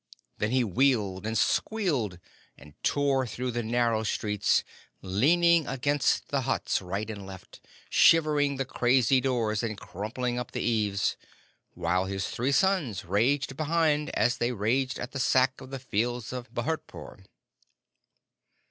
Then he wheeled and squealed, and tore through the narrow streets, leaning against the huts right and left, shivering the crazy doors, and crumpling up the eaves; while his three sons raged behind as they had raged at the Sack of the Fields of Bhurtpore.